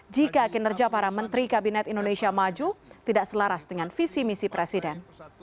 jika kinerja para menteri kabinet indonesia maju tidak selaras dengan visi misi presiden